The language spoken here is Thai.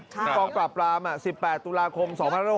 ตอนกลับร้ำ๑๘ตุลาคม๒๐๑๖๑๕